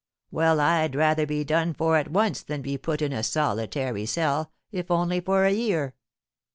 Well, I'd rather be done for at once than be put in a solitary cell, if only for a year.